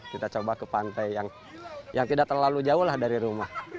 kita coba ke pantai yang tidak terlalu jauh lah dari rumah